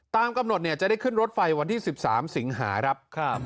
ตามกำหนดเนี่ยจะได้ขึ้นรถไฟวันที่๑๓สิงหาครับ